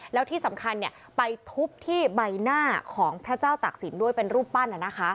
แล้วที่สำคัญไปทุบที่ใบหน้าของพระเจ้าตักศิลป์ด้วยเป็นรูปปั้น